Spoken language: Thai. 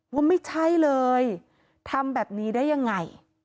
ว่าไม่ใช่เลยทำแบบนี้ได้ยังไง